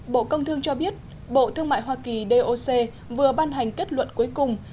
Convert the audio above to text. bộ thương mại hoa kỳ doc vừa ban hành kết luận cuối cùng